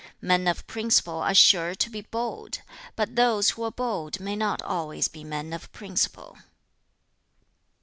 Men of principle are sure to be bold, but those who are bold may not always be men of principle.'